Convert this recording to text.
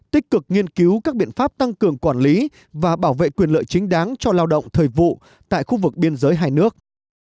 tích cực nghiên cứu các biện pháp tăng cường quản lý và bảo vệ quyền lợi chính đáng cho lao động thời vụ tại khu vực biên giới hai nước